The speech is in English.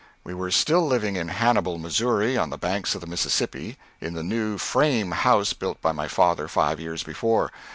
We were still living in Hannibal, Missouri, on the banks of the Mississippi, in the new "frame" house built by my father five years before.